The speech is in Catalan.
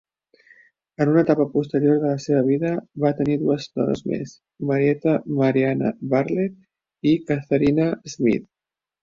En una etapa posterior de la seva vida, va tenir dues dones més, Marietta Mariana Bartlett i Catherine Smith.